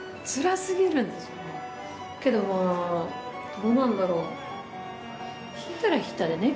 けどまあどうなんだろう？